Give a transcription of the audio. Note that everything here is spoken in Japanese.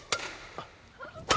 あっ！